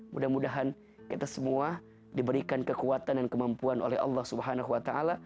mudah mudahan kita semua diberikan kekuatan dan kemampuan oleh allah swt